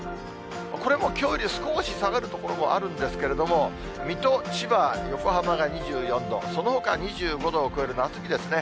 これもきょうより少し下がる所もあるんですけれども、水戸、千葉、横浜が２４度、そのほか２５度を超える夏日ですね。